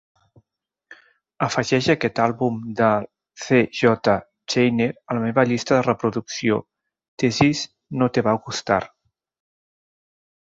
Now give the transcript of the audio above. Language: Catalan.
Afegeix aquest àlbum de C J Chenier a la meva llista de reproducció This is no te va gustar.